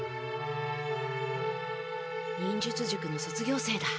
忍術塾の卒業生だ。